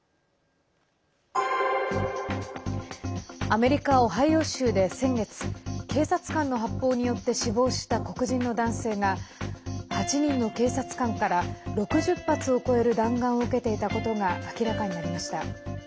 アメリカ・オハイオ州で先月警察官の発砲によって死亡した黒人の男性が、８人の警察官から６０発を超える弾丸を受けていたことが明らかになりました。